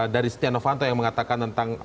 dari stianovanto yang mengatakan